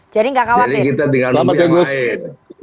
jadi kita tinggal nunggu yang lain